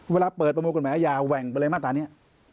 เวลาเปิดประมวลกฎหมายอาญาแหว่งไปเลยมาตรานี้